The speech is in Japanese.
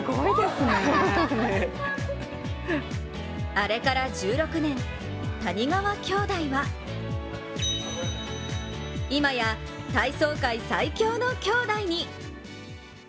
あれから１６年、谷川兄弟は今や体操界最強の兄弟に。